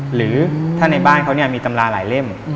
หรือถ้าในบ้านเขามีตำราหลายเล่ม